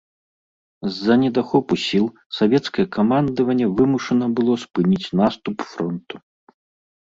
З-за недахопу сіл савецкае камандаванне вымушана было спыніць наступ фронту.